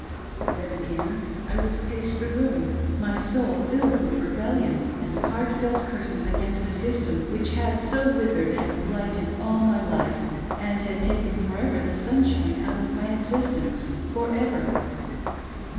Then again, I would pace the room , my soul filled with rebellion, and heartfelt curses against a system vsilich had so withered and blighted all my laf e arid had taken for ever the sunshine out of my exjsljence. For ever